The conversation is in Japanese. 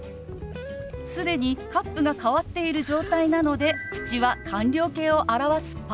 既にカップが変わっている状態なので口は完了形を表す「パ」。